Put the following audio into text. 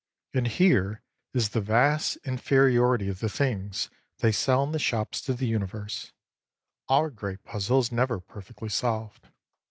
And here is the vast inferiority of the things they sell in the shops to the universe: our great puzzle is never perfectly solved.